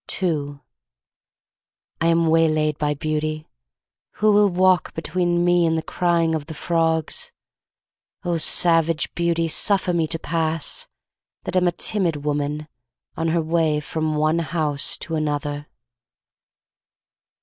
II I am waylaid by Beauty. Who will walk Between me and the crying of the frogs? Oh, savage Beauty, suffer me to pass, That am a timid woman, on her way From one house to another!